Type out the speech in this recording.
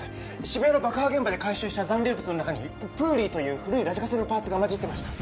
渋谷の爆破現場で回収した残留物の中にプーリーという古いラジカセのパーツがまじってました